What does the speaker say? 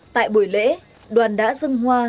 tại buổi lễ đoàn đá dân hoa